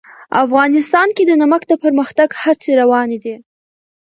افغانستان کې د نمک د پرمختګ هڅې روانې دي.